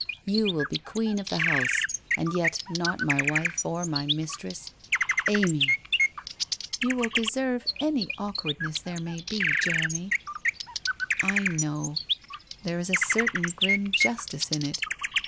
You will be queen of the house, and yet not my wife or my mistress. Amy !...'' You will deserve — any awkwardness there may be, Jeremy.' ' I know. There is a certain grim justice in it.